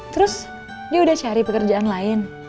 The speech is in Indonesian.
terus dia udah cari pekerjaan lain